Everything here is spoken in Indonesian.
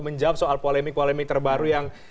menjawab soal polemik polemik terbaru yang